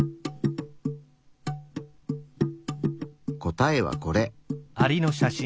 答えはこれ。